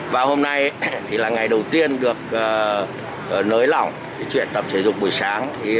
và hôm nay thì là ngày đầu tiên được nới lỏng chuyện tập thể dục buổi sáng